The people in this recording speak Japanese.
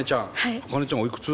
アカネちゃんおいくつ？